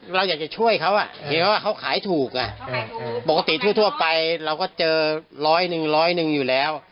เราอยากจะช่วยเขาเห็นว่าเขาขายถูกปกติทั่วไปเราก็เจอร้อยหนึ่งร้อยหนึ่งอยู่แล้ว